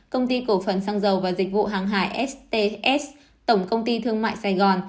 công ty cổ phần xăng dầu và dịch vụ hàng hải sts tổng công ty thương mại sài gòn